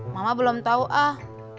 mama belum tau ah